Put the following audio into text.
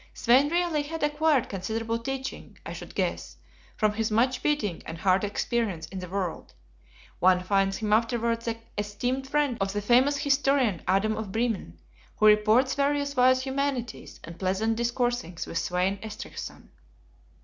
Svein really had acquired considerable teaching, I should guess, from his much beating and hard experience in the world; one finds him afterwards the esteemed friend of the famous Historian Adam of Bremen, who reports various wise humanities, and pleasant discoursings with Svein Estrithson.